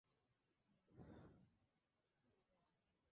Posteriormente fue Prefecto de Cochabamba y finalmente Ministro de Defensa.